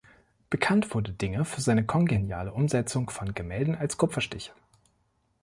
Bekannt wurde Dinger für seine kongeniale Umsetzung von Gemälden als Kupferstiche.